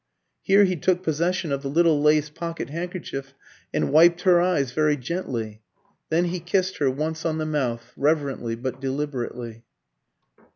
Here he took possession of the little lace pocket handkerchief, and wiped her eyes very gently. Then he kissed her once on the mouth, reverently but deliberately.